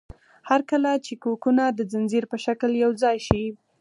هر کله چې کوکونه د ځنځیر په شکل یوځای شي.